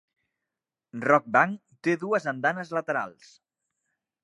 Rockbank té dues andanes laterals.